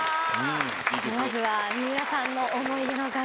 まずは水卜さんの思い出の楽曲